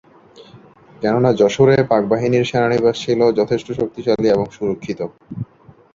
কেননা যশোরে পাকবাহিনীর সেনানিবাস ছিল যথেষ্ট শক্তিশালী এবং সুরক্ষিত।